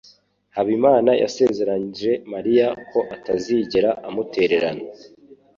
Habimana yasezeranyije Mariya ko atazigera amutererana.